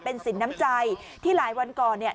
สินน้ำใจที่หลายวันก่อนเนี่ย